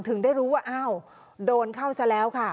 ถึงได้รู้ว่าอ้าวโดนเข้าซะแล้วค่ะ